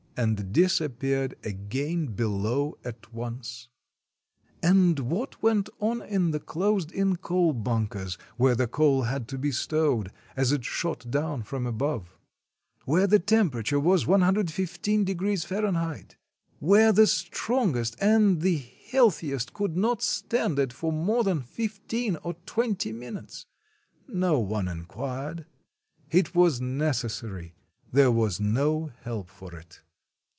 and disappeared again below at once. 233 RUSSIA And what went on in the closed in coal bunkers, where the coal had to be stowed, as it shot down from above? Where the temperature was 115° F.? Where the strong est and healthiest could not stand it for more than fif teen or twenty minutes ! No one inquired. It was neces sary, there was no help for it.